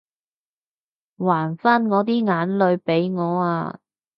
還返我啲眼淚畀我啊